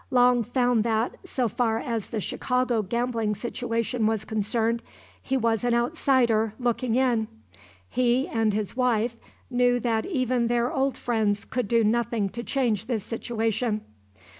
Long found that, so far as the Chicago gambling situation was concerned, he was an outsider looking in. He and his wife knew that even their old friends could do nothing to change this situation.